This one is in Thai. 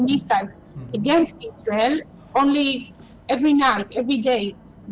คอฝ้าโซนตัว